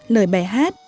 lời bài hát